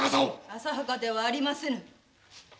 浅はかではありませぬ。